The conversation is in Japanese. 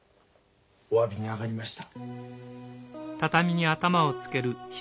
おわびに上がりました。